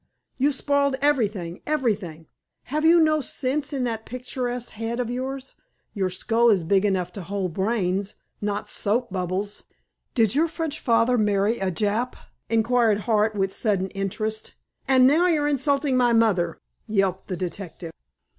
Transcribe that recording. You spoiled everything, everything! Have you no sense in that picturesque head of yours? Your skull is big enough to hold brains, not soap bubbles." "Did your French father marry a Jap?" inquired Hart, with sudden interest. "And now you're insulting my mother," yelped the detective.